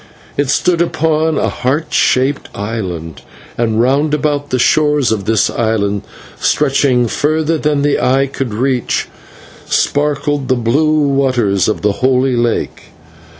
It stood upon a heart shaped island, and round about the shores of this island, stretching further than the eye could reach, sparkled the blue waters of the Holy Lake.